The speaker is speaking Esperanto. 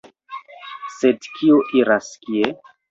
Sed kio iras kie?